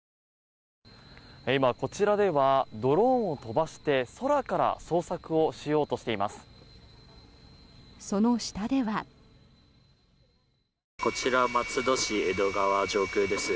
今、こちらではドローンを飛ばして空から捜索をしようとしています。